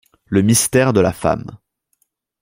Le mystère de la femme.